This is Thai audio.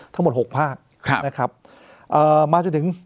ทั้งหมดหกภาคนะครับเอ่อมาจนถึง